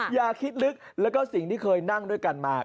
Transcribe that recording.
อย่าคิดลึกแล้วก็สิ่งที่เคยนั่งด้วยกันมา